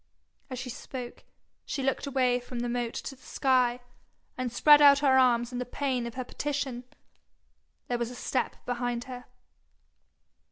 As she spoke, she looked away from the moat to the sky, and spread out her arms in the pain of her petition. There was a step behind her.